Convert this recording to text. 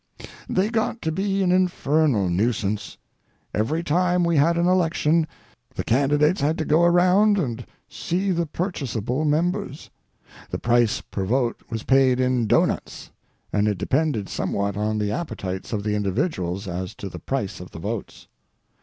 They got to be an infernal nuisance. Every time we had an election the candidates had to go around and see the purchasable members. The price per vote was paid in doughnuts, and it depended somewhat on the appetites of the individuals as to the price of the votes.